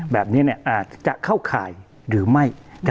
แบบนี้อาจจะเข้าข่ายหรือไม่